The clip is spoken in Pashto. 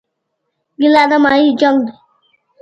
¬ گيله نيمايي جنگ دئ.